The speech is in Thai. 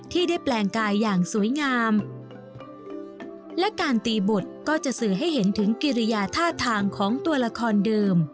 ที่ได้แปลงกายอย่างสวยงามและการตีบุตรก็จะสื่อให้เห็นถึงกิริยาท่าทางของตัวละครเดิม